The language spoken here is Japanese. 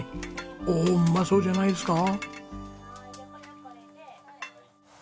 おおうまそうじゃないですか！